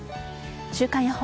週間予報。